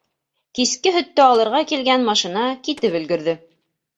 Киске һөттө алырға килгән машина китеп өлгөрҙө.